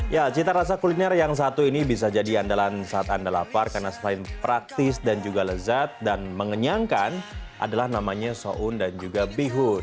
ya cita rasa kuliner yang satu ini bisa jadi andalan saat anda lapar karena selain praktis dan juga lezat dan mengenyangkan adalah namanya soun ⁇ dan juga bihun